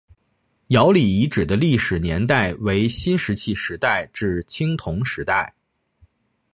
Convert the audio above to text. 姚李遗址的历史年代为新石器时代至青铜时代。